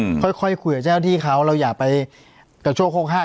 ค่อยค่อยคุยกับเจ้าที่เขาเราอย่าไปกระโชกโคกห้า